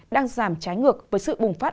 đang giảm trái ngược với sự bùng phát